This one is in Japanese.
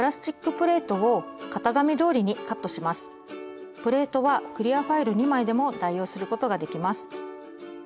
プレートはクリアファイル２枚でも代用することができます。